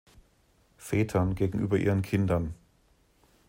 Vätern gegenüber ihren Kindern.